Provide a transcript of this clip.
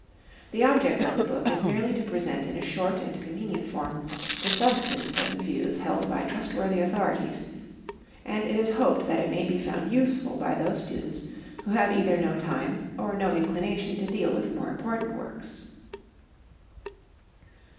The object of the book is merely to present in a short and convenient form the substance of the views held by trustworthy authorities, and it is hoped that it may be found useful by those students who have either no time or no inclination to deal with more important works.